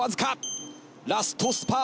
ラストスパート。